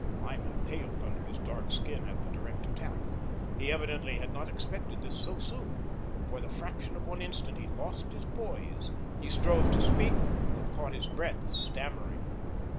Lyman paled under his dark skin at the direct attack. He evidently had not expected this so soon. For the fraction of one instant he lost his poise. He strove to speak, but caught his breath, stammering.